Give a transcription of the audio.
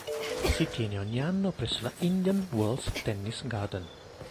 Si tiene ogni anno presso la Indian Wells Tennis Garden.